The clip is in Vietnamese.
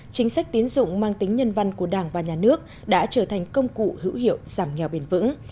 chính sách tiến dụng mang tính nhân văn của đảng và nhà nước đã trở thành công cụ hữu hiệu giảm nghèo bền vững